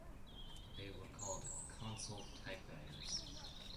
They were called "console typewriters".